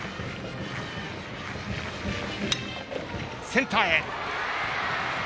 センターへ。